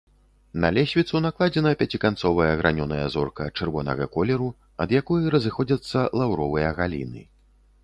На лесвіцу накладзена пяціканцовая гранёная зорка чырвонага колеру, ад якой разыходзяцца лаўровыя галіны.